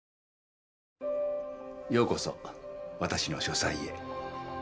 ようこそ私の書斎へ。